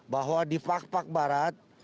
bahwa di pak pak barat